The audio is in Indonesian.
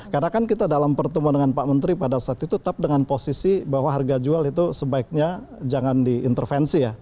karena kan kita dalam pertemuan dengan pak menteri pada saat itu tetap dengan posisi bahwa harga jual itu sebaiknya jangan diintervensi ya